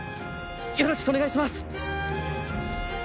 よろしくお願いします。